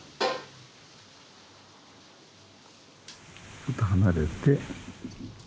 ちょっと離れて。